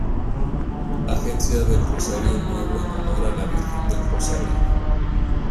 Agencia del Rosario Nuevo en honor a la Virgen del Rosario.